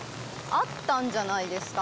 あったんじゃないですか？